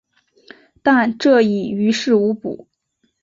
但这已于事无补。